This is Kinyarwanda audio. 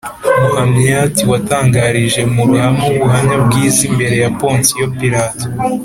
muhamyat watangarije mu ruhame u ubuhamya bwiza imbere ya Ponsiyo Pilato